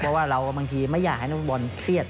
เพราะว่าเราบางทีไม่อยากให้นักฟุตบอลเครียด